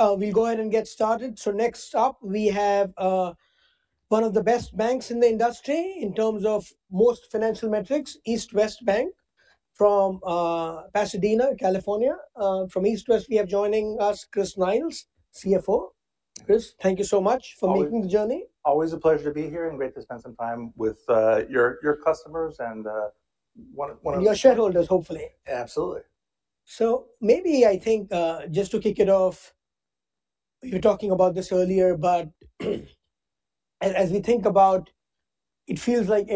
We'll go ahead and get started. So next up we have one of the best banks in the industry in terms of most financial metrics, East West Bank from Pasadena, California. From East West we have joining us Chris Niles, CFO. Chris, thank you so much for making the journey. Always a pleasure to be here and great to spend some time with your customers and one of. Your shareholders, hopefully. Absolutely. So maybe I think just to kick it off, you were talking about this earlier, but as we think about it, it feels like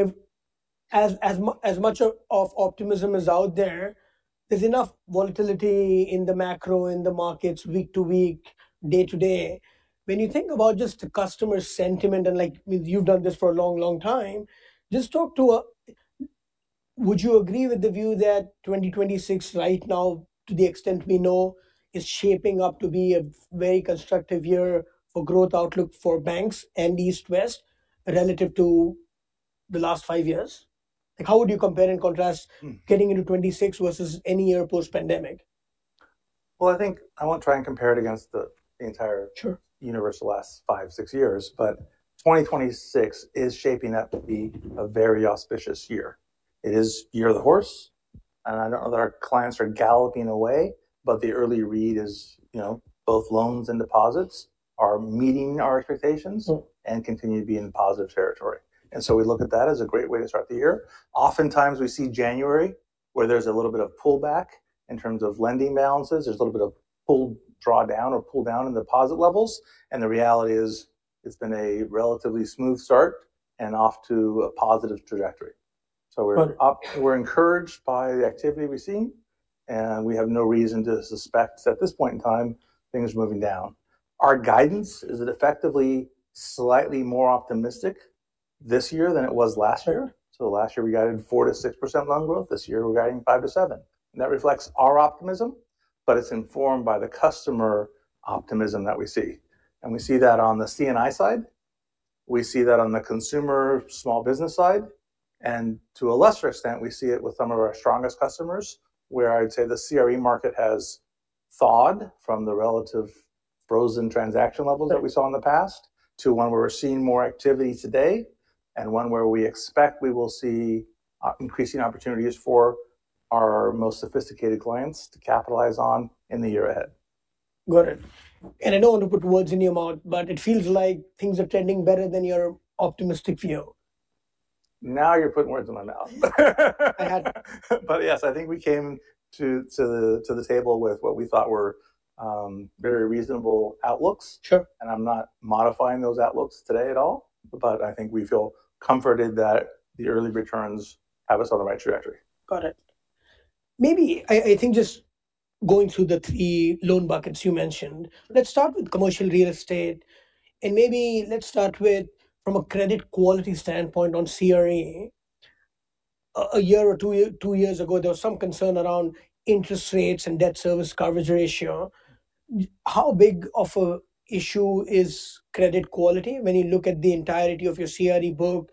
as much of optimism is out there, there's enough volatility in the macro, in the markets week to week, day to day. When you think about just the customer sentiment and like you've done this for a long, long time, just talk to a... Would you agree with the view that 2026 right now, to the extent we know, is shaping up to be a very constructive year for growth outlook for banks and East West relative to the last five years? How would you compare and contrast getting into 2026 versus any year post-pandemic? Well, I think I won't try and compare it against the entire universal last five, six years, but 2026 is shaping up to be a very auspicious year. It is Year of the Horse. And I don't know that our clients are galloping away, but the early read is both loans and deposits are meeting our expectations and continue to be in positive territory. And so we look at that as a great way to start the year. Oftentimes we see January where there's a little bit of pullback in terms of lending balances. There's a little bit of pull drawdown or pull down in deposit levels. And the reality is it's been a relatively smooth start and off to a positive trajectory. So we're encouraged by the activity we're seeing and we have no reason to suspect at this point in time, things are moving down. Our guidance is that effectively slightly more optimistic this year than it was last year. So last year we guided 4%-6% loan growth, this year we're guiding 5%-7%. That reflects our optimism, but it's informed by the customer optimism that we see. And we see that on the C&I side. We see that on the consumer small business side. And to a lesser extent, we see it with some of our strongest customers where I'd say the CRE market has thawed from the relative frozen transaction levels that we saw in the past to one where we're seeing more activity today and one where we expect we will see increasing opportunities for our most sophisticated clients to capitalize on in the year ahead. Got it. I don't want to put words in your mouth, but it feels like things are trending better than your optimistic view. Now you're putting words in my mouth. I had. Yes, I think we came to the table with what we thought were very reasonable outlooks. I'm not modifying those outlooks today at all, but I think we feel comforted that the early returns have us on the right trajectory. Got it. Maybe I think just going through the three loan buckets you mentioned, let's start with commercial real estate and maybe let's start with from a credit quality standpoint on CRE. A year or two years ago, there was some concern around interest rates and debt service coverage ratio. How big of an issue is credit quality when you look at the entirety of your CRE book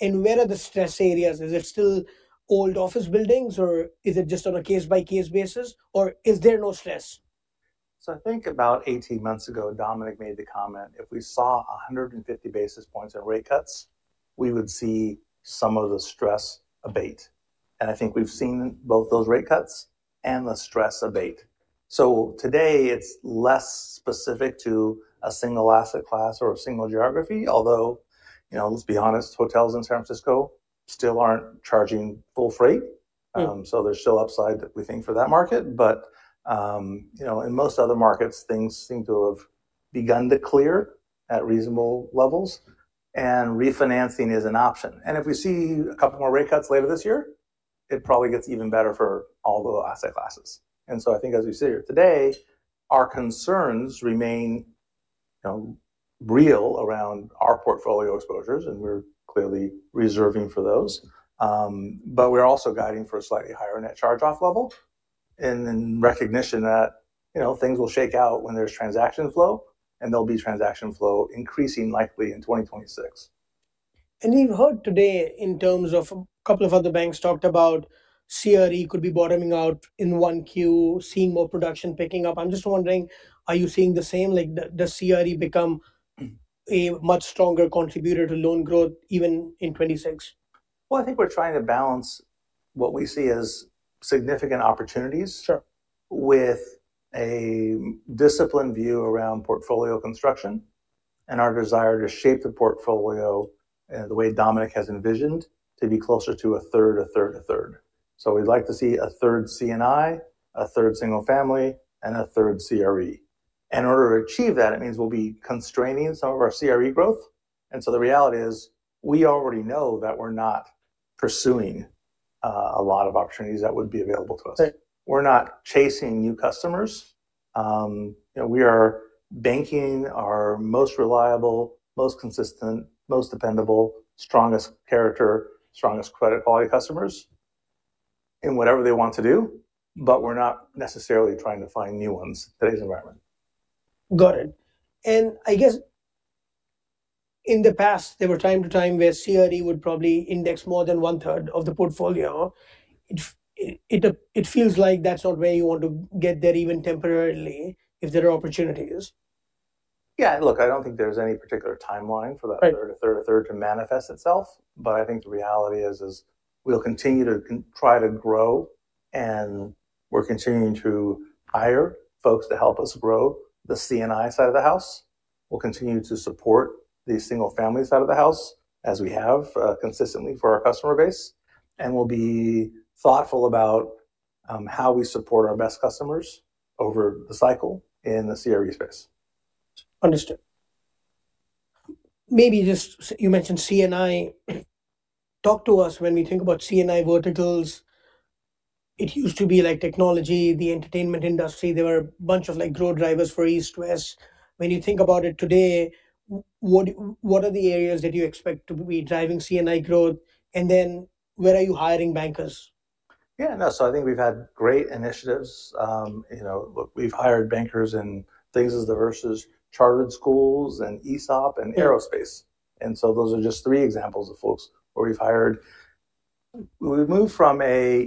and where are the stress areas? Is it still old office buildings or is it just on a case-by-case basis or is there no stress? So I think about 18 months ago, Dominic made the comment if we saw 150 basis points in rate cuts, we would see some of the stress abate. And I think we've seen both those rate cuts and the stress abate. So today it's less specific to a single asset class or a single geography, although let's be honest, hotels in San Francisco still aren't charging full freight. So there's still upside that we think for that market, but in most other markets, things seem to have begun to clear at reasonable levels and refinancing is an option. And if we see a couple more rate cuts later this year, it probably gets even better for all the asset classes. And so I think as we sit here today, our concerns remain real around our portfolio exposures and we're clearly reserving for those. But we're also guiding for a slightly higher net charge-off level and in recognition that things will shake out when there's transaction flow and there'll be transaction flow increasing likely in 2026. We've heard today in terms of a couple of other banks talked about CRE could be bottoming out in Q1, seeing more production picking up. I'm just wondering, are you seeing the same? Does CRE become a much stronger contributor to loan growth even in 2026? Well, I think we're trying to balance what we see as significant opportunities with a disciplined view around portfolio construction and our desire to shape the portfolio the way Dominic has envisioned to be closer to a third, a third, a third. So we'd like to see a third C&I, a third single-family, and a third CRE. In order to achieve that, it means we'll be constraining some of our CRE growth. And so the reality is we already know that we're not pursuing a lot of opportunities that would be available to us. We're not chasing new customers. We are banking our most reliable, most consistent, most dependable, strongest character, strongest credit quality customers in whatever they want to do, but we're not necessarily trying to find new ones in today's environment. Got it. I guess in the past, there were times where CRE would probably index more than one third of the portfolio. It feels like that's not where you want to get there even temporarily if there are opportunities. Yeah, look, I don't think there's any particular timeline for that third to manifest itself. But I think the reality is we'll continue to try to grow and we're continuing to hire folks to help us grow the C&I side of the house. We'll continue to support the single-family side of the house as we have consistently for our customer base. And we'll be thoughtful about how we support our best customers over the cycle in the CRE space. Understood. Maybe just you mentioned C&I. Talk to us when we think about C&I verticals. It used to be like technology, the entertainment industry, there were a bunch of growth drivers for East West. When you think about it today, what are the areas that you expect to be driving C&I growth and then where are you hiring bankers? Yeah, no, so I think we've had great initiatives. Look, we've hired bankers in things as diverse as charter schools and ESOP and aerospace. And so those are just three examples of folks where we've hired... We've moved from a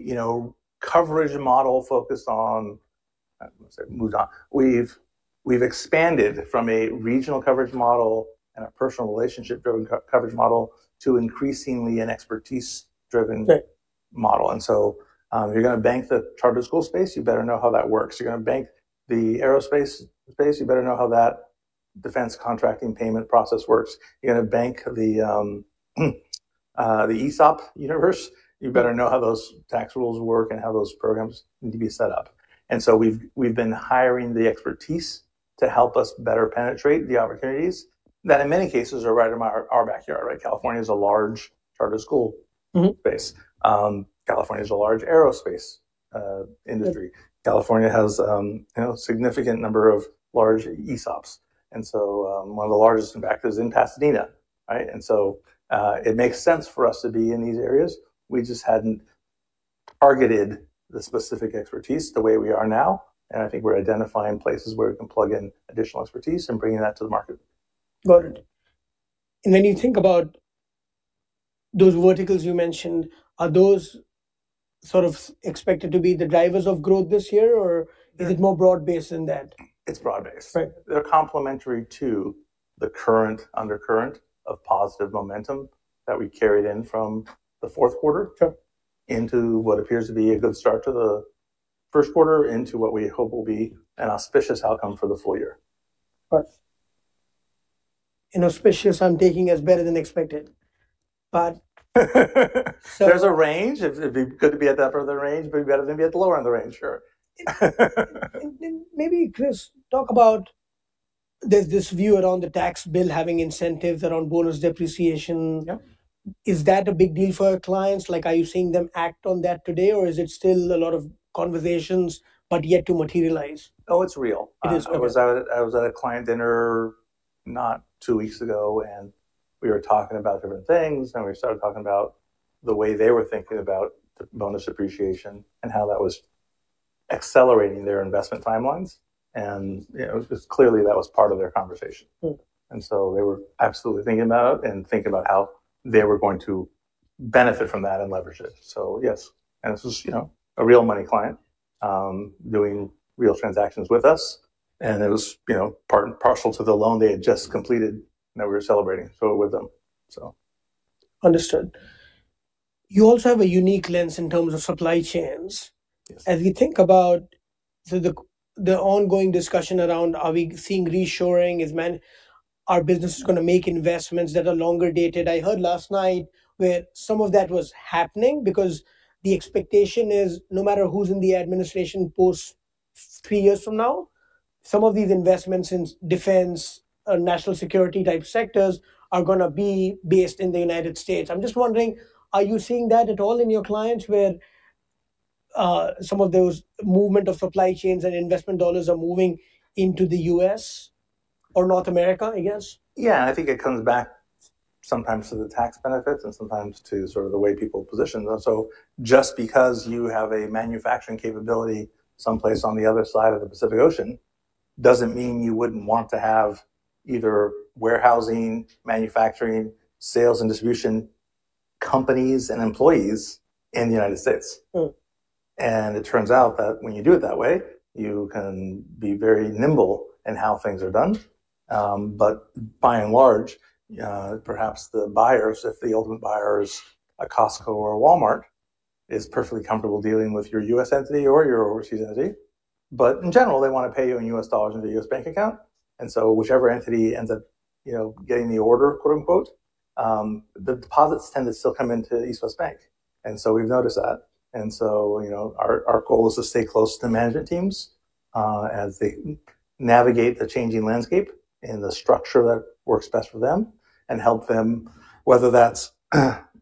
coverage model focused on... I'm going to say moved on. We've expanded from a regional coverage model and a personal relationship-driven coverage model to an increasingly expertise-driven model. And so if you're going to bank the charter school space, you better know how that works. You're going to bank the aerospace space, you better know how that defense contracting payment process works. You're going to bank the ESOP universe, you better know how those tax rules work and how those programs need to be set up. And so we've been hiring the expertise to help us better penetrate the opportunities that in many cases are right in our backyard. California is a large charter school space. California is a large aerospace industry. California has a significant number of large ESOPs. One of the largest in fact is in Pasadena. It makes sense for us to be in these areas. We just hadn't targeted the specific expertise the way we are now. I think we're identifying places where we can plug in additional expertise and bringing that to the market. Got it. And when you think about those verticals you mentioned, are those sort of expected to be the drivers of growth this year or is it more broad-based than that? It's broad-based. They're complementary to the current undercurrent of positive momentum that we carried in from the fourth quarter into what appears to be a good start to the first quarter into what we hope will be an auspicious outcome for the full-year. Right. Inauspicious, I'm taking as better than expected. But. There's a range. It'd be good to be at that further range, but better than be at the lower end of the range, sure. Maybe Chris, talk about there's this view around the tax bill having incentives around bonus depreciation. Is that a big deal for our clients? Are you seeing them act on that today or is it still a lot of conversations, but yet to materialize? Oh, it's real. I was at a client dinner not two weeks ago and we were talking about different things and we started talking about the way they were thinking about bonus depreciation and how that was accelerating their investment timelines. And clearly that was part of their conversation. And so they were absolutely thinking about it and thinking about how they were going to benefit from that and leverage it. So yes. And this was a real money client doing real transactions with us. And it was partial to the loan they had just completed that we were celebrating. So with them. Understood. You also have a unique lens in terms of supply chains. As we think about the ongoing discussion around are we seeing reshoring, are businesses going to make investments that are longer dated? I heard last night where some of that was happening because the expectation is no matter who's in the administration post three years from now, some of these investments in defense or national security type sectors are going to be based in the United States. I'm just wondering, are you seeing that at all in your clients where some of those movement of supply chains and investment dollars are moving into the U.S. or North America, I guess? Yeah, I think it comes back sometimes to the tax benefits and sometimes to sort of the way people position. So just because you have a manufacturing capability someplace on the other side of the Pacific Ocean doesn't mean you wouldn't want to have either warehousing, manufacturing, sales and distribution companies and employees in the United States. And it turns out that when you do it that way, you can be very nimble in how things are done. But by and large, perhaps the buyers, if the ultimate buyer is a Costco or a Walmart, is perfectly comfortable dealing with your U.S. entity or your overseas entity. But in general, they want to pay you in U.S. dollars into a U.S. bank account. And so whichever entity ends up getting the order, quote-unquote, the deposits tend to still come into East West Bank. And so we've noticed that. Our goal is to stay close to the management teams as they navigate the changing landscape in the structure that works best for them and help them, whether that's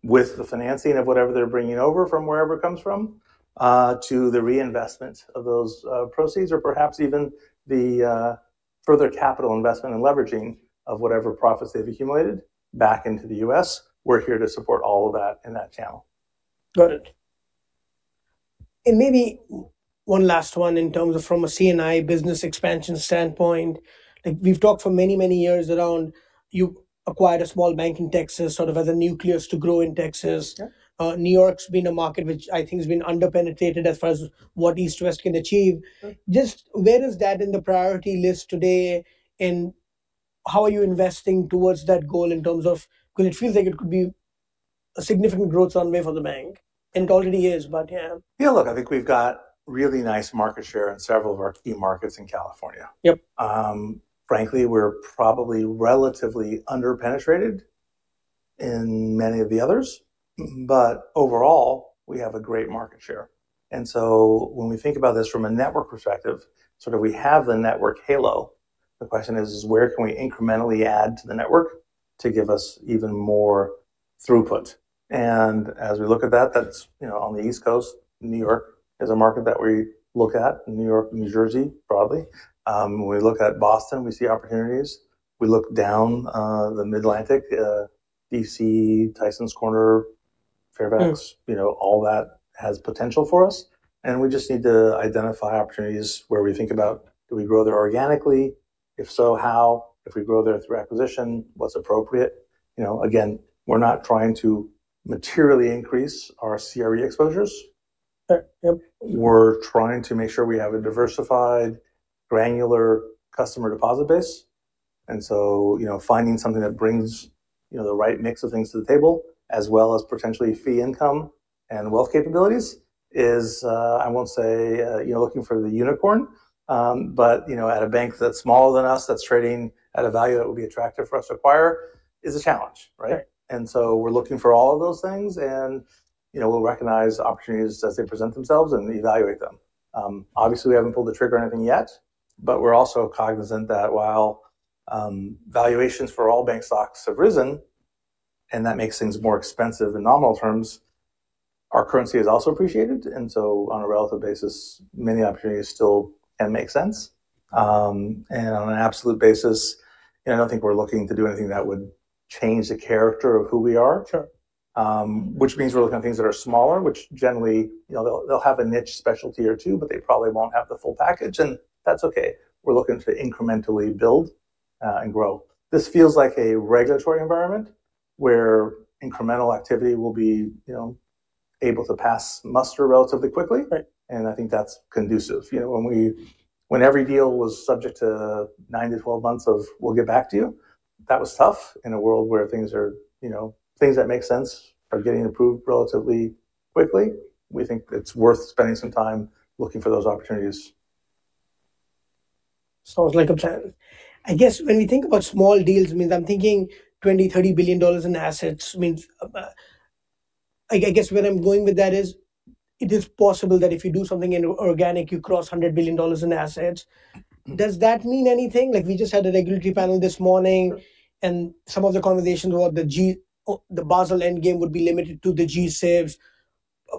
with the financing of whatever they're bringing over from wherever it comes from to the reinvestment of those proceeds or perhaps even the further capital investment and leveraging of whatever profits they've accumulated back into the U.S. We're here to support all of that in that channel. Got it. Maybe one last one in terms of from a C&I business expansion standpoint. We've talked for many, many years around you acquired a small bank in Texas sort of as a nucleus to grow in Texas. New York's been a market which I think has been underpenetrated as far as what East West can achieve. Just where is that in the priority list today and how are you investing towards that goal in terms of because it feels like it could be a significant growth runway for the bank and it already is, but yeah. Yeah, look, I think we've got really nice market share in several of our key markets in California. Frankly, we're probably relatively underpenetrated in many of the others. But overall, we have a great market share. And so when we think about this from a network perspective, sort of we have the network halo. The question is where can we incrementally add to the network to give us even more throughput? And as we look at that, that's on the East Coast. New York is a market that we look at, New York, New Jersey broadly. When we look at Boston, we see opportunities. We look down the Mid-Atlantic, D.C., Tysons Corner, Fairfax, all that has potential for us. And we just need to identify opportunities where we think about do we grow there organically? If so, how? If we grow there through acquisition, what's appropriate? Again, we're not trying to materially increase our CRE exposures. We're trying to make sure we have a diversified, granular customer deposit base. And so finding something that brings the right mix of things to the table as well as potentially fee income and wealth capabilities is, I won't say looking for the unicorn, but at a bank that's smaller than us that's trading at a value that would be attractive for us to acquire is a challenge. And so we're looking for all of those things and we'll recognize opportunities as they present themselves and evaluate them. Obviously, we haven't pulled the trigger or anything yet, but we're also cognizant that while valuations for all bank stocks have risen and that makes things more expensive in nominal terms, our currency is also appreciated. And so on a relative basis, many opportunities still can make sense. On an absolute basis, I don't think we're looking to do anything that would change the character of who we are, which means we're looking at things that are smaller, which generally they'll have a niche specialty or two, but they probably won't have the full package and that's okay. We're looking to incrementally build and grow. This feels like a regulatory environment where incremental activity will be able to pass muster relatively quickly. I think that's conducive. When every deal was subject to 9-12 months of we'll get back to you, that was tough in a world where things that make sense are getting approved relatively quickly. We think it's worth spending some time looking for those opportunities. Sounds like a plan. I guess when we think about small deals, I mean, I'm thinking $20 billion-$30 billion in assets. I guess where I'm going with that is it is possible that if you do something in organic, you cross $100 billion in assets. Does that mean anything? We just had a regulatory panel this morning and some of the conversations about the Basel Endgame would be limited to the G-SIBs,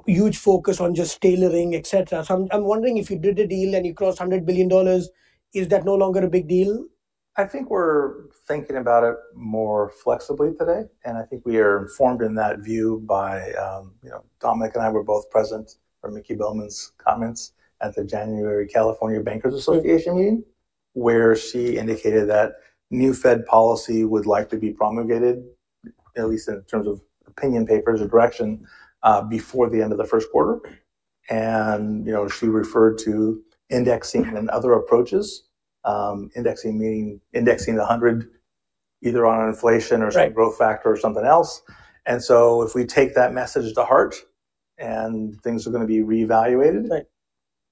huge focus on just tailoring, etc. So I'm wondering if you did a deal and you crossed $100 billion, is that no longer a big deal? I think we're thinking about it more flexibly today. I think we are informed in that view by Dominic and I; we're both present for Michelle Bowman's comments at the January California Bankers Association meeting where she indicated that new Fed policy would likely be promulgated, at least in terms of opinion papers or direction, before the end of the first quarter. She referred to indexing and other approaches, indexing meaning indexing the 100 either on inflation or some growth factor or something else. So if we take that message to heart and things are going to be reevaluated,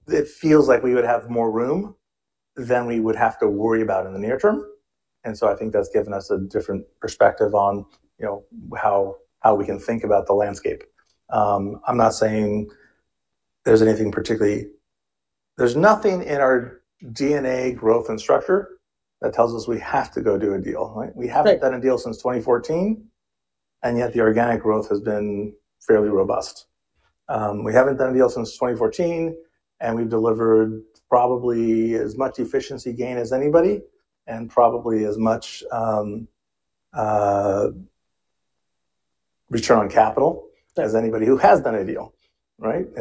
it feels like we would have more room than we would have to worry about in the near term. So I think that's given us a different perspective on how we can think about the landscape. I'm not saying there's anything particularly... There's nothing in our DNA growth and structure that tells us we have to go do a deal. We haven't done a deal since 2014 and yet the organic growth has been fairly robust. We haven't done a deal since 2014 and we've delivered probably as much efficiency gain as anybody and probably as much return on capital as anybody who has done a deal.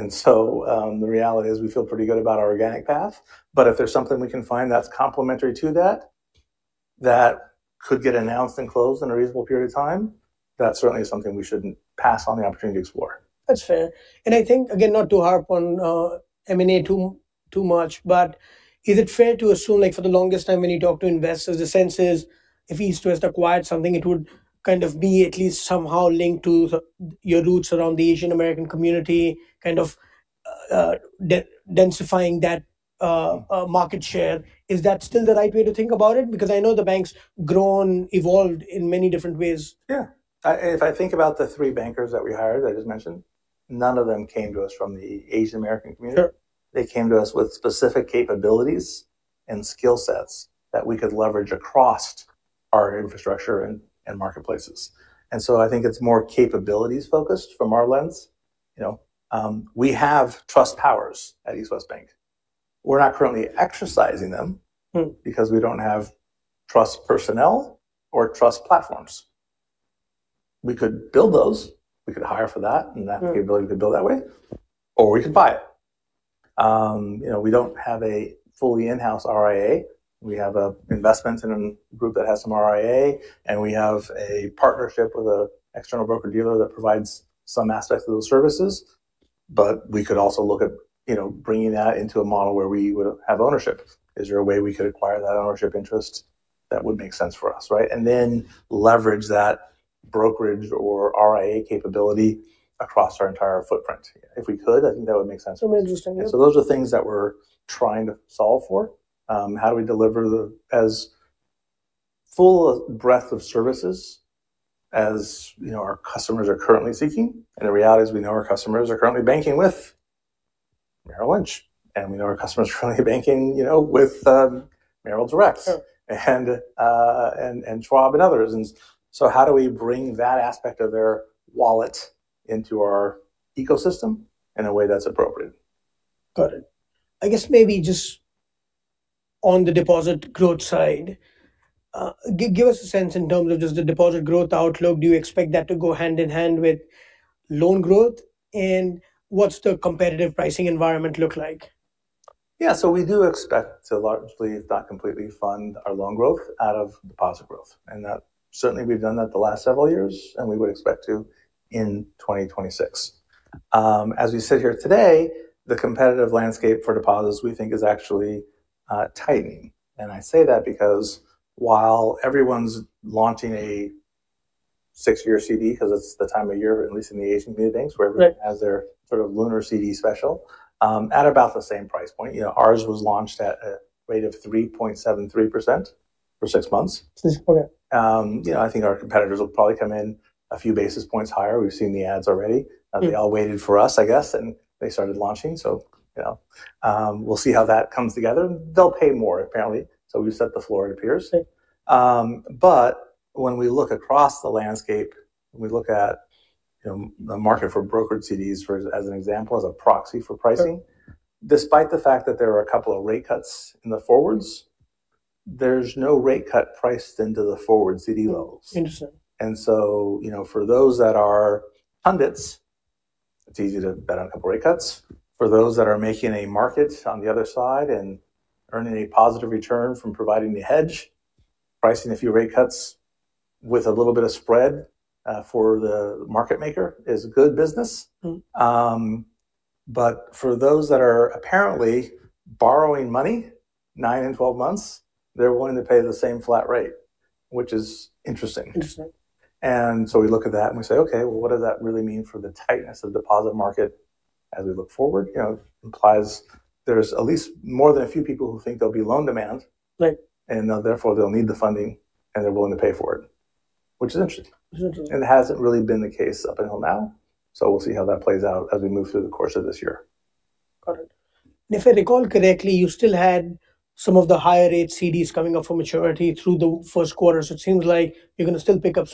So the reality is we feel pretty good about our organic path. But if there's something we can find that's complementary to that, that could get announced and closed in a reasonable period of time, that certainly is something we shouldn't pass on the opportunity to explore. That's fair. And I think, again, not to harp on M&A too much, but is it fair to assume for the longest time when you talk to investors, the sense is if East West acquired something, it would kind of be at least somehow linked to your roots around the Asian American community, kind of densifying that market share. Is that still the right way to think about it? Because I know the bank's grown, evolved in many different ways. Yeah. If I think about the three bankers that we hired, I just mentioned, none of them came to us from the Asian American community. They came to us with specific capabilities and skill sets that we could leverage across our infrastructure and marketplaces. And so I think it's more capabilities focused from our lens. We have trust powers at East West Bank. We're not currently exercising them because we don't have trust personnel or trust platforms. We could build those. We could hire for that and that capability could build that way. Or we could buy it. We don't have a fully in-house RIA. We have investments in a group that has some RIA and we have a partnership with an external broker-dealer that provides some aspects of those services. But we could also look at bringing that into a model where we would have ownership. Is there a way we could acquire that ownership interest that would make sense for us? And then leverage that brokerage or RIA capability across our entire footprint. If we could, I think that would make sense. So interesting. So those are things that we're trying to solve for. How do we deliver the full breadth of services as our customers are currently seeking? And the reality is we know our customers are currently banking with Merrill Lynch. And we know our customers are currently banking with Merrill Direct and Schwab and others. And so how do we bring that aspect of their wallet into our ecosystem in a way that's appropriate? Got it. I guess maybe just on the deposit growth side, give us a sense in terms of just the deposit growth outlook. Do you expect that to go hand in hand with loan growth? And what's the competitive pricing environment look like? Yeah, so we do expect to largely, if not completely, fund our loan growth out of deposit growth. And certainly we've done that the last several years and we would expect to in 2026. As we sit here today, the competitive landscape for deposits we think is actually tightening. And I say that because while everyone's launching a six-month CD because it's the time of year, at least in the Asian community banks, where everyone has their sort of Lunar CD special, at about the same price point. Ours was launched at a rate of 3.73% for six months. I think our competitors will probably come in a few basis points higher. We've seen the ads already. They all waited for us, I guess, and they started launching. So we'll see how that comes together. They'll pay more, apparently. So we've set the floor, it appears. When we look across the landscape, when we look at the market for brokered CDs as an example, as a proxy for pricing, despite the fact that there are a couple of rate cuts in the forwards, there's no rate cut priced into the forward CD levels. And so for those that are pundits, it's easy to bet on a couple of rate cuts. For those that are making a market on the other side and earning a positive return from providing a hedge, pricing a few rate cuts with a little bit of spread for the market maker is good business. But for those that are apparently borrowing money nine and 12 months, they're willing to pay the same flat rate, which is interesting. And so we look at that and we say, "Okay, well, what does that really mean for the tightness of the deposit market as we look forward?" Implies there's at least more than a few people who think there'll be loan demand and therefore they'll need the funding and they're willing to pay for it, which is interesting. And it hasn't really been the case up until now. So we'll see how that plays out as we move through the course of this year. Got it. If I recall correctly, you still had some of the higher rate CDs coming up for maturity through the first quarter. It seems like you're going to still pick up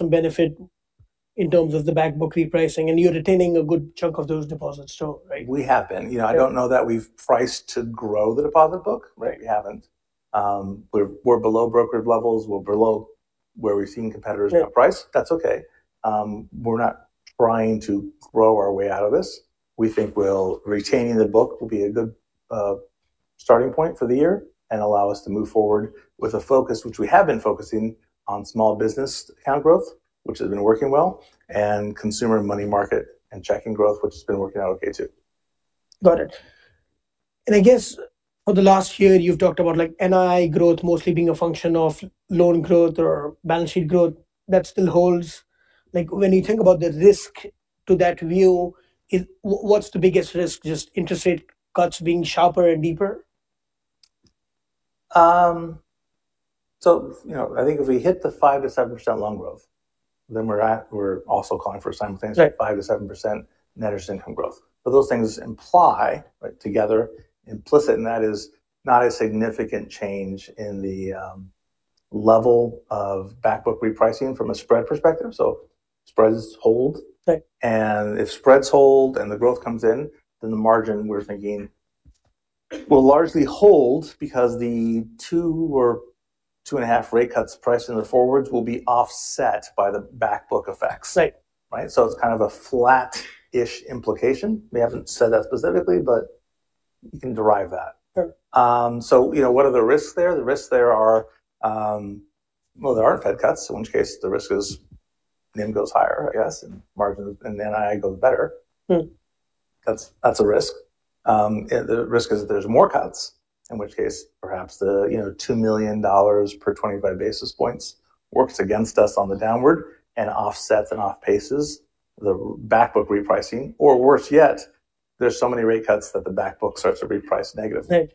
some benefit in terms of the backbook repricing and you're retaining a good chunk of those deposits still, right? We have been. I don't know that we've priced to grow the deposit book. We haven't. We're below brokerage levels. We're below where we've seen competitors outprice. That's okay. We're not trying to grow our way out of this. We think retaining the book will be a good starting point for the year and allow us to move forward with a focus, which we have been focusing on small business account growth, which has been working well, and consumer money market and checking growth, which has been working out okay too. Got it. I guess for the last year, you've talked about NII growth mostly being a function of loan growth or balance sheet growth that still holds. When you think about the risk to that view, what's the biggest risk, just interest rate cuts being sharper and deeper? So I think if we hit the 5%-7% loan growth, then we're also calling for simultaneously 5%-7% net interest income growth. But those things imply together, implicit in that is not a significant change in the level of backbook repricing from a spread perspective. So spreads hold. And if spreads hold and the growth comes in, then the margin we're thinking will largely hold because the 2.5 rate cuts priced in the forwards will be offset by the backbook effects. So it's kind of a flat-ish implication. We haven't said that specifically, but you can derive that. So what are the risks there? The risks there are, well, there aren't Fed cuts, in which case the risk is NIM goes higher, I guess, and margins in NII go better. That's a risk. The risk is that there's more cuts, in which case perhaps the $2 million per 25 basis points works against us on the downward and offsets and outpaces the backbook repricing. Or worse yet, there's so many rate cuts that the backbook starts to reprice negatively,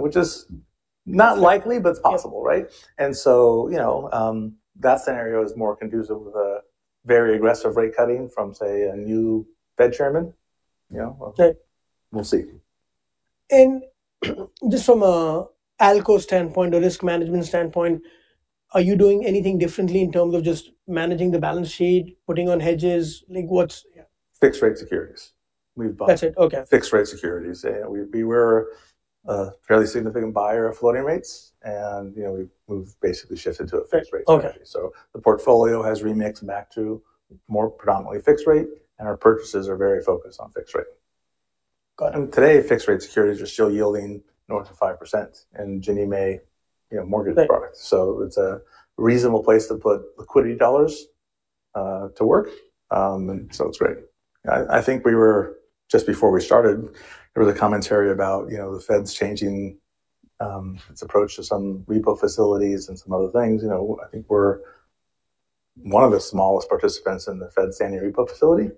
which is not likely, but it's possible. And so that scenario is more conducive with a very aggressive rate cutting from, say, a new Fed chairman. We'll see. Just from an ALCO standpoint, a risk management standpoint, are you doing anything differently in terms of just managing the balance sheet, putting on hedges? Fixed rate securities. We've bought fixed rate securities. We were a fairly significant buyer of floating rates and we've basically shifted to a fixed rate security. So the portfolio has remixed back to more predominantly fixed rate and our purchases are very focused on fixed rate. And today, fixed rate securities are still yielding north of 5% in Ginnie Mae mortgage products. So it's a reasonable place to put liquidity dollars to work. And so it's great. I think just before we started, there was a commentary about the Fed's changing its approach to some repo facilities and some other things. I think we're one of the smallest participants in the Fed's standing repo facility.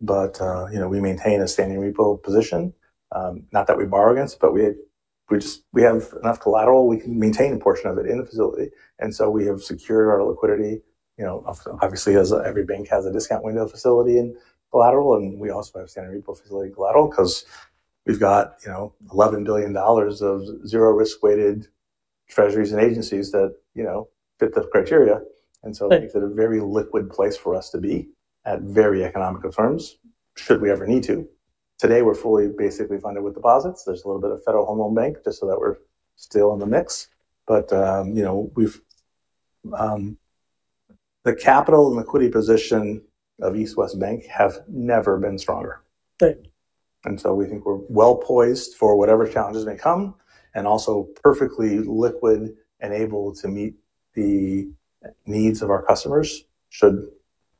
But we maintain a standing repo position. Not that we borrow against, but we have enough collateral. We can maintain a portion of it in the facility. And so we have secured our liquidity. Obviously, every bank has a discount window facility and collateral. We also have a standing repo facility and collateral because we've got $11 billion of zero-risk weighted treasuries and agencies that fit the criteria. So it makes it a very liquid place for us to be at very economic firms, should we ever need to. Today, we're fully basically funded with deposits. There's a little bit of Federal Home Loan Bank just so that we're still in the mix. But the capital and liquidity position of East West Bank have never been stronger. We think we're well-poised for whatever challenges may come and also perfectly liquid and able to meet the needs of our customers should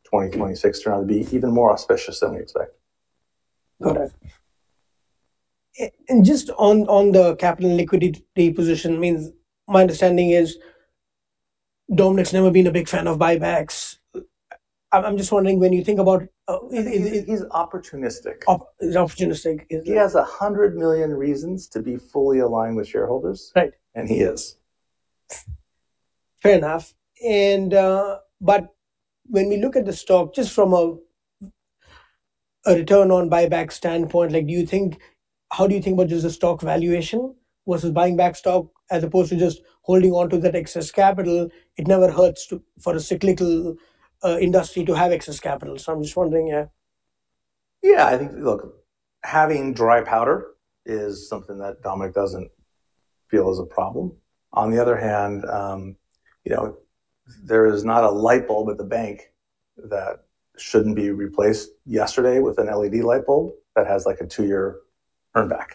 2026 turn out to be even more auspicious than we expect. Got it. And just on the capital and liquidity position, my understanding is Dominic's never been a big fan of buybacks. I'm just wondering when you think about? He's opportunistic. He's opportunistic. He has 100 million reasons to be fully aligned with shareholders. He is. Fair enough. When we look at the stock just from a return on buyback standpoint, how do you think about just the stock valuation versus buying back stock as opposed to just holding onto that excess capital? It never hurts for a cyclical industry to have excess capital. I'm just wondering. Yeah, I think, look, having dry powder is something that Dominic doesn't feel is a problem. On the other hand, there is not a light bulb at the bank that shouldn't be replaced yesterday with an LED light bulb that has a two-year earnback.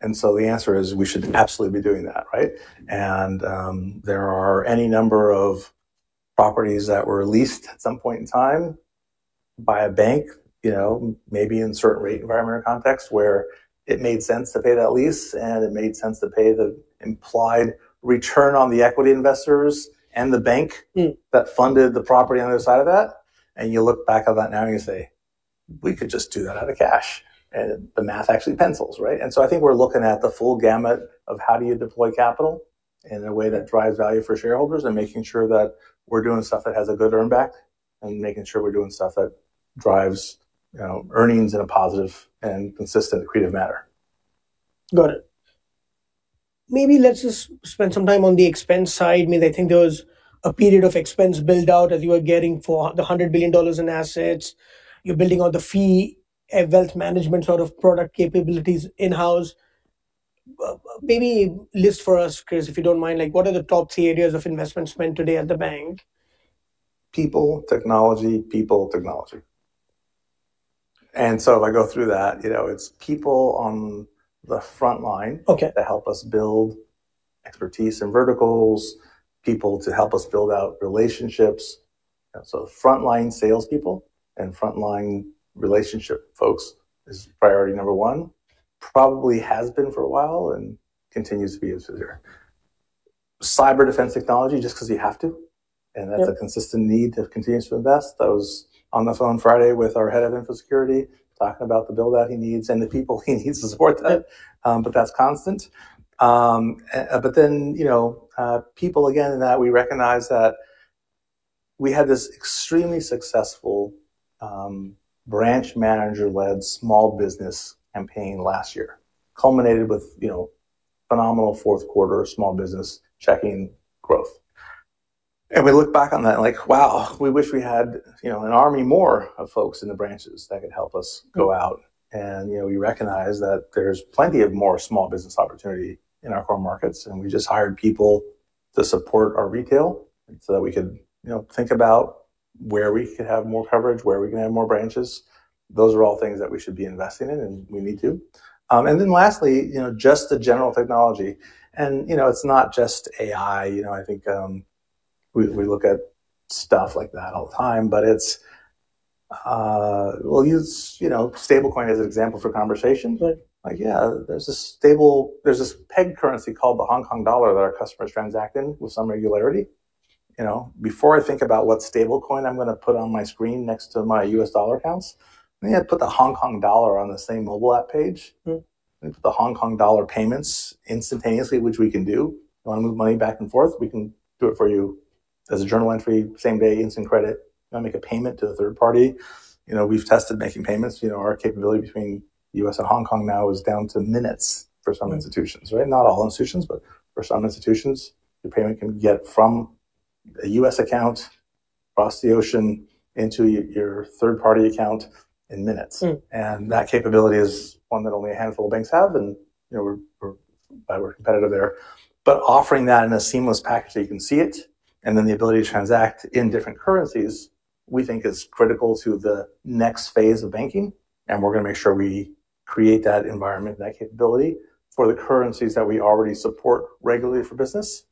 And so the answer is we should absolutely be doing that. And there are any number of properties that were leased at some point in time by a bank, maybe in certain rate environment or context where it made sense to pay that lease and it made sense to pay the implied return on the equity investors and the bank that funded the property on the other side of that. And you look back on that now and you say, "We could just do that out of cash." And the math actually pencils. And so I think we're looking at the full gamut of how do you deploy capital in a way that drives value for shareholders and making sure that we're doing stuff that has a good earnback and making sure we're doing stuff that drives earnings in a positive and consistent creative manner. Got it. Maybe let's just spend some time on the expense side. I mean, I think there was a period of expense buildout as you were getting for the $100 billion in assets. You're building out the fee wealth management sort of product capabilities in-house. Maybe list for us, Chris, if you don't mind, what are the top three areas of investment spent today at the bank? People, technology, people, technology. So if I go through that, it's people on the front line that help us build expertise in verticals, people to help us build out relationships. Front line salespeople and front line relationship folks is priority number one. Probably has been for a while and continues to be as it is here. Cyber defense technology just because you have to. That's a consistent need that continues to invest. I was on the phone Friday with our head of infosecurity talking about the bill that he needs and the people he needs to support that. But that's constant. Then people, again, in that, we recognize that we had this extremely successful branch manager-led small business campaign last year culminated with phenomenal fourth quarter small business checking growth. And we look back on that and like, "Wow, we wish we had an army more of folks in the branches that could help us go out." And we recognize that there's plenty of more small business opportunity in our core markets. And we just hired people to support our retail so that we could think about where we could have more coverage, where we can have more branches. Those are all things that we should be investing in and we need to. And then lastly, just the general technology. And it's not just AI. I think we look at stuff like that all the time. But we'll use stablecoin as an example for conversation. Like, "Yeah, there's this peg currency called the Hong Kong dollar that our customers transact in with some regularity." Before I think about what stablecoin I'm going to put on my screen next to my U.S. dollar accounts, maybe I put the Hong Kong dollar on the same mobile app page. Let me put the Hong Kong dollar payments instantaneously, which we can do. You want to move money back and forth? We can do it for you as a journal entry, same day, instant credit. You want to make a payment to a third party? We've tested making payments. Our capability between the U.S. and Hong Kong now is down to minutes for some institutions. Not all institutions, but for some institutions, your payment can get from a U.S. account across the ocean into your third-party account in minutes. That capability is one that only a handful of banks have. We're competitive there. But offering that in a seamless package so you can see it and then the ability to transact in different currencies, we think is critical to the next phase of banking. We're going to make sure we create that environment and that capability for the currencies that we already support regularly for business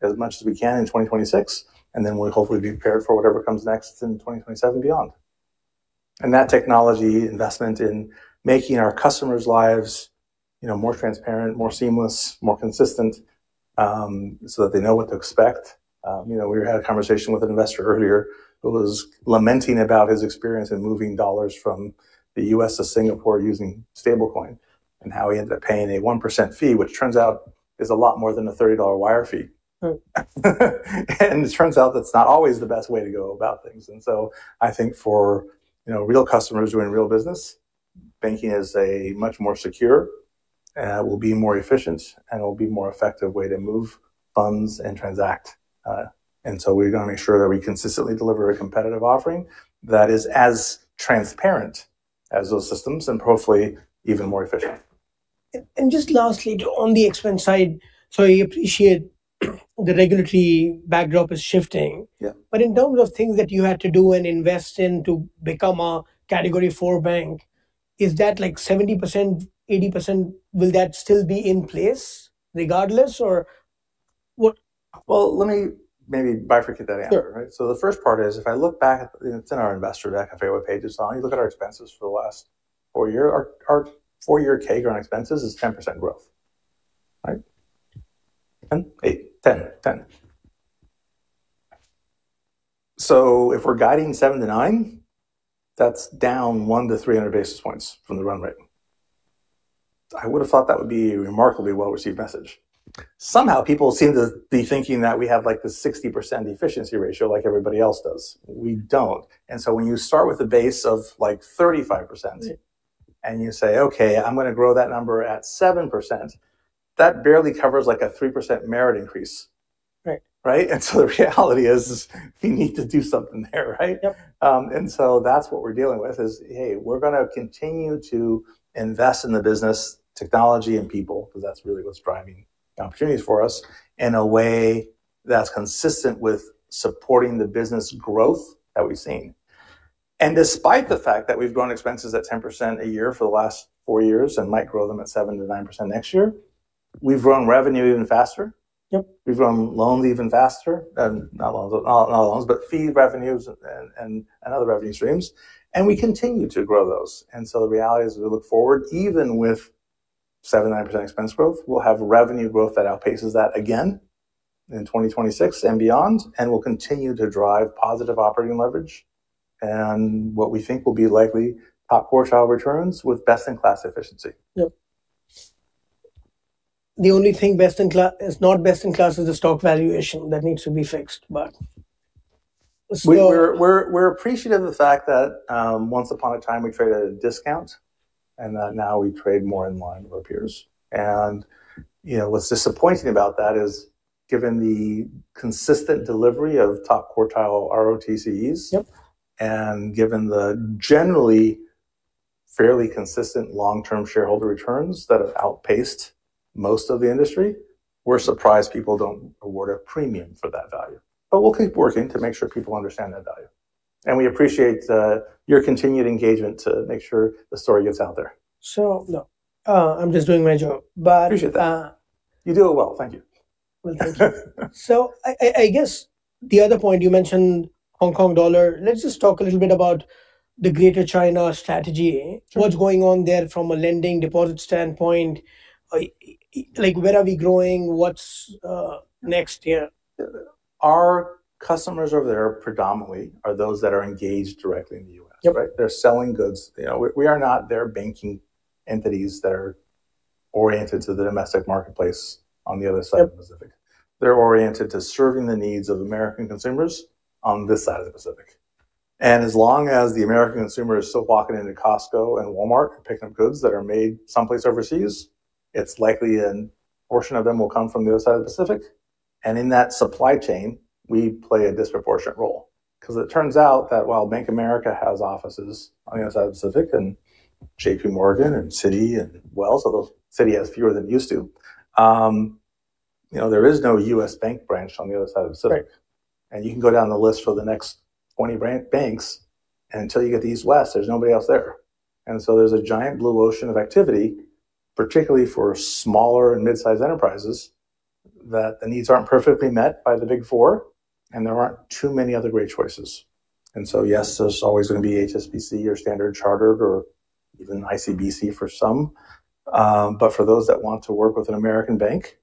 as much as we can in 2026. Then we'll hopefully be prepared for whatever comes next in 2027 beyond. That technology investment in making our customers' lives more transparent, more seamless, more consistent so that they know what to expect. We had a conversation with an investor earlier who was lamenting about his experience in moving dollars from the U.S. to Singapore using stablecoin and how he ended up paying a 1% fee, which turns out is a lot more than a $30 wire fee. And it turns out that's not always the best way to go about things. And so I think for real customers doing real business, banking is much more secure. It will be more efficient and it will be a more effective way to move funds and transact. And so we're going to make sure that we consistently deliver a competitive offering that is as transparent as those systems and hopefully even more efficient. Just lastly, on the expense side, so I appreciate the regulatory backdrop is shifting. In terms of things that you had to do and invest in to become a Category IV bank, is that 70%, 80% still in place regardless or? Well, let me maybe bifurcate that answer. So the first part is if I look back at—it's in our investor deck, F&A pages—you look at our expenses for the last four years. Our four-year CAGR expenses is 10% growth: 10, 8, 10, 10. So if we're guiding 7%-9%, that's down 100-300 basis points from the run rate. I would have thought that would be a remarkably well-received message. Somehow, people seem to be thinking that we have the 60% efficiency ratio like everybody else does. We don't. And so when you start with a base of 35% and you say, "Okay, I'm going to grow that number at 7%," that barely covers a 3% merit increase. And so the reality is we need to do something there. That's what we're dealing with is, "Hey, we're going to continue to invest in the business, technology, and people because that's really what's driving opportunities for us in a way that's consistent with supporting the business growth that we've seen." Despite the fact that we've grown expenses at 10% a year for the last four years and might grow them at 7%-9% next year, we've grown revenue even faster. We've grown loans even faster. Not loans, but fee revenues and other revenue streams. We continue to grow those. The reality is as we look forward, even with 7%-9% expense growth, we'll have revenue growth that outpaces that again in 2026 and beyond. We'll continue to drive positive operating leverage and what we think will be likely top quartile returns with best-in-class efficiency. The only thing not best-in-class is the stock valuation that needs to be fixed. We're appreciative of the fact that once upon a time, we traded at a discount and that now we trade more in line with our peers. What's disappointing about that is given the consistent delivery of top quartile ROTCEs and given the generally fairly consistent long-term shareholder returns that have outpaced most of the industry, we're surprised people don't award a premium for that value. But we'll keep working to make sure people understand that value. We appreciate your continued engagement to make sure the story gets out there. No, I'm just doing my job. Appreciate that. You do it well. Thank you. Well, thank you. So I guess the other point you mentioned, Hong Kong dollar, let's just talk a little bit about the Greater China strategy. What's going on there from a lending deposit standpoint? Where are we growing? What's next here? Our customers over there predominantly are those that are engaged directly in the U.S. They're selling goods. We are not their banking entities that are oriented to the domestic marketplace on the other side of the Pacific. They're oriented to serving the needs of American consumers on this side of the Pacific. And as long as the American consumer is still walking into Costco and Walmart and picking up goods that are made someplace overseas, it's likely a portion of them will come from the other side of the Pacific. And in that supply chain, we play a disproportionate role because it turns out that while Bank of America has offices on the other side of the Pacific and JPMorgan and Citi and Wells, although Citi has fewer than it used to, there is no U.S. bank branch on the other side of the Pacific. You can go down the list for the next 20 banks. Until you get to East West, there's nobody else there. So there's a giant blue ocean of activity, particularly for smaller and midsize enterprises, that the needs aren't perfectly met by the Big Four and there aren't too many other great choices. Yes, there's always going to be HSBC or Standard Chartered or even ICBC for some. But for those that want to work with an American bank,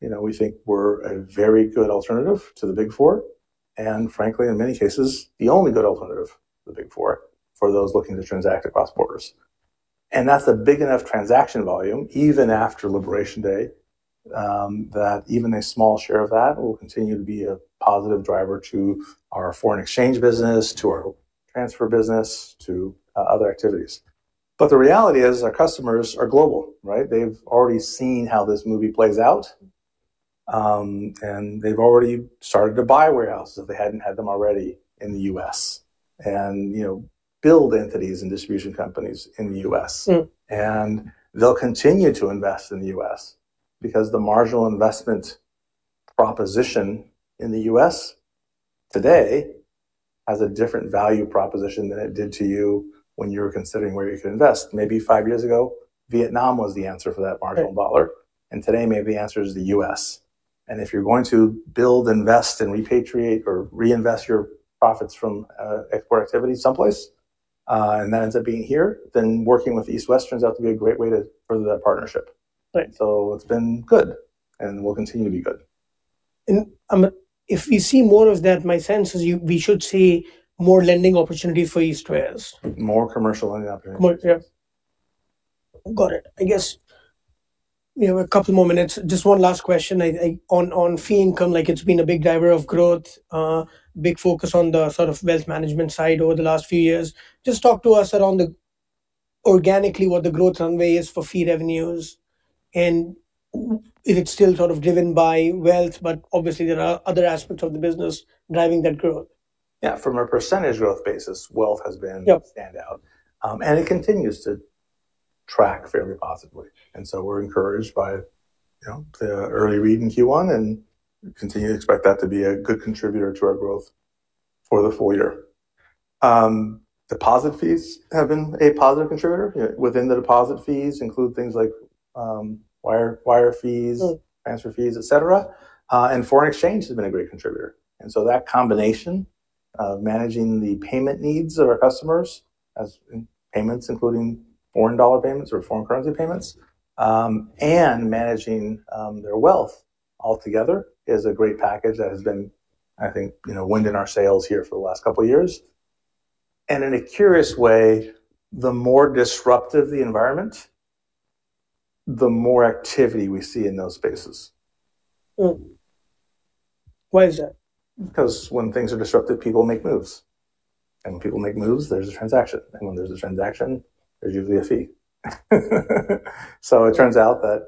we think we're a very good alternative to the Big Four and frankly, in many cases, the only good alternative to the Big Four for those looking to transact across borders. That's a big enough transaction volume even after Liberation Day that even a small share of that will continue to be a positive driver to our foreign exchange business, to our transfer business, to other activities. The reality is our customers are global. They've already seen how this movie plays out. They'll continue to invest in the U.S. because the marginal investment proposition in the U.S. today has a different value proposition than it did to you when you were considering where you could invest. Maybe five years ago, Vietnam was the answer for that marginal dollar. Today, maybe the answer is the U.S. If you're going to build, invest, and repatriate or reinvest your profits from export activity someplace and that ends up being here, then working with East West turns out to be a great way to further that partnership. It's been good and will continue to be good. If we see more of that, my sense is we should see more lending opportunity for East West. More commercial lending opportunity. Got it. I guess we have a couple more minutes. Just one last question. On fee income, it's been a big driver of growth, big focus on the sort of wealth management side over the last few years. Just talk to us around the organically what the growth runway is for fee revenues and if it's still sort of driven by wealth, but obviously, there are other aspects of the business driving that growth. Yeah, from a percentage growth basis, wealth has been standout. It continues to track fairly positively. So we're encouraged by the early read in Q1 and continue to expect that to be a good contributor to our growth for the full-year. Deposit fees have been a positive contributor. Within the deposit fees include things like wire fees, transfer fees, etc. Foreign exchange has been a great contributor. So that combination of managing the payment needs of our customers as payments, including foreign dollar payments or foreign currency payments, and managing their wealth altogether is a great package that has been, I think, wind in our sails here for the last couple of years. In a curious way, the more disruptive the environment, the more activity we see in those spaces. Why is that? Because when things are disruptive, people make moves. When people make moves, there's a transaction. When there's a transaction, there's usually a fee. It turns out that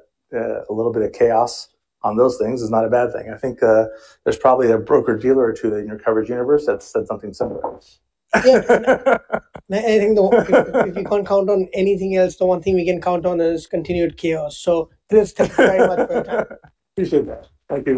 a little bit of chaos on those things is not a bad thing. I think there's probably a broker-dealer or two in your coverage universe that's said something similar. Yeah. I think if you can't count on anything else, the one thing we can count on is continued chaos. So Chris, thank you very much for your time. Appreciate that. Thank you.